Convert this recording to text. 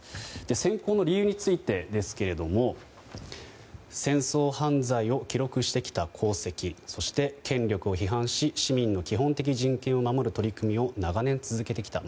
選考の理由についてですけれども戦争犯罪を記録してきた功績そして権力を批判し市民の基本的人権を守る取り組みを長年続けてきた。